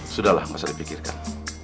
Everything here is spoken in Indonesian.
sudahlah enggak usah dipikirkan